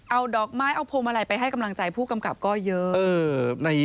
เอาดอกไม้เอาพวงมาลัยไปให้กำลังใจผู้กำกับก็เยอะ